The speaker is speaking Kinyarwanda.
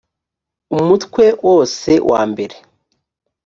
umutwe wose wa mbere